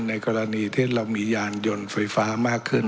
ในกรณีที่เรามียานยนต์ไฟฟ้ามากขึ้น